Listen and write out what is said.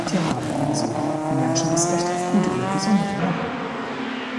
Tiere haben ebenso wie Menschen das Recht auf gute und gesunde Ernährung.